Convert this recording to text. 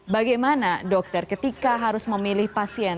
bagaimana dokter ketika harus memilih pasien